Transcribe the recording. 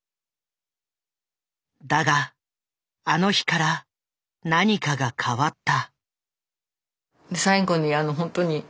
だがあの日から何かが変わった。